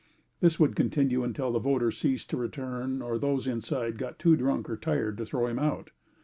This would continue until the voter ceased to return or those inside got too drunk or tired to throw him out.